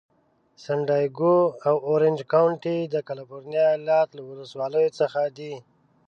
سن دیاګو او اورینج کونټي د کالفرنیا ایالت له ولسوالیو څخه دي.